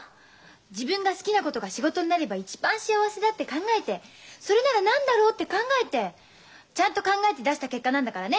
自分が好きなことが仕事になれば一番幸せだって考えてそれなら何だろうって考えてちゃんと考えて出した結果なんだからね。